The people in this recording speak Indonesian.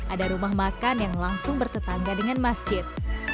ada rumah makan yang langsung bertetangga dengan masjid